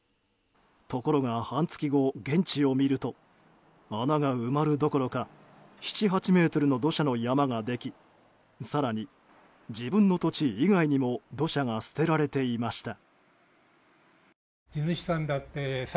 ところが半月後、現地を見ると穴が埋まるどころか７８ｍの土砂の山ができ更に自分の土地以外にも土砂が捨てられていました。